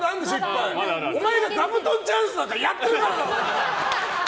お前がザブトンチャンスなんかやってるからだろ！